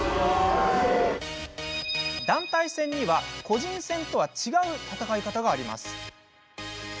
団体戦には個人戦とは違う戦い方があります。